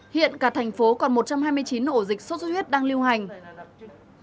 hiện cả thành phố còn một trăm hai mươi chín ổ dịch sốt xuất huyết đang lưu hành